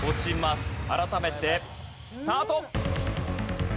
改めてスタート！